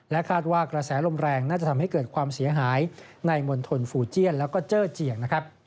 คาดว่ากระแสลมแรงน่าจะทำให้เกิดความเสียหายในมณฑลฟูเจียนแล้วก็เจอเจียงนะครับ